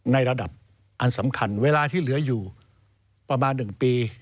ในระดับอันสำคัญเวลาที่เหลืออยู่ประมาณ๑ปี